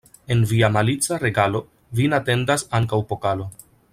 En via malica regalo vin atendas ankaŭ pokalo.